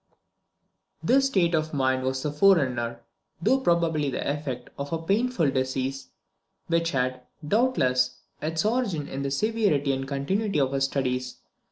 This state of mind was the forerunner, though probably the effect, of a painful disease, which had, doubtless, its origin in the severity and continuity of his studies.